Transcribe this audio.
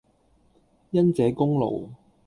因這功勞，